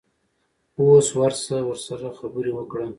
اوس ورشه ورسره خبرې وکړه.